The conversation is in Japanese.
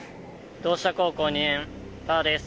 同志社高校２年たぁです。